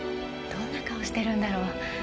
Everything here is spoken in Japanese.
どんな顔してるんだろう？